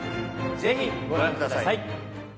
ぜひご覧ください。